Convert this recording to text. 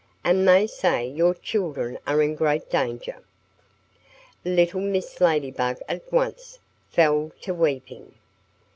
And they say your children are in great danger." Little Mrs. Ladybug at once fell to weeping.